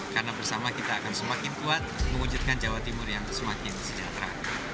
karena bersama kita akan semakin kuat mengujudkan jawa timur yang semakin sejahtera